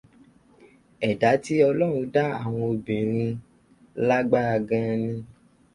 Ẹ̀dá tí Ọlọ́run dá àwọn obìnrin lágbára gan ni.